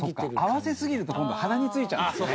合わせすぎると今度鼻についちゃうんですね。